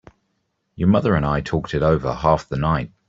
Your mother and I talked it over half the night.